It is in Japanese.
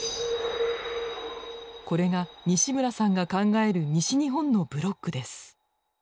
これが西村さんが考える西日本のブロックです。